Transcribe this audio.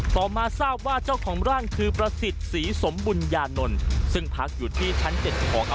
ต่อมาทราบว่าเจ้าของร่างคือประสิทธิ์ศรีสมบุญญานนท์ซึ่งพักอยู่ที่ชั้น๗ของอพาร์ทเม้นท์ดังกล่าว